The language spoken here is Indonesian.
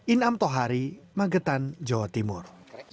inam tohari magetan jawa timur